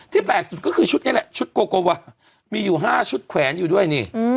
แปลกสุดก็คือชุดนี้แหละชุดโกโกวามีอยู่๕ชุดแขวนอยู่ด้วยนี่